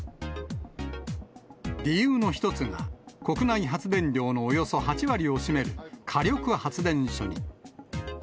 理由の一つが、国内発電量のおよそ８割を占める火力発電所に。